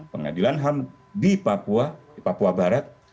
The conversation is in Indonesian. pengadilan ham di papua di papua barat